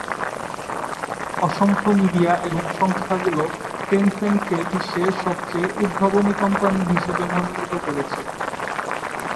অসংখ্য মিডিয়া এবং সংস্থাগুলো টেন সেন্ট কে বিশ্বের সবচেয়ে উদ্ভাবনী কোম্পানি হিসাবে মনোনীত করেছে।